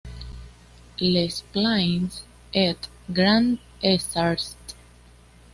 Les Plains-et-Grands-Essarts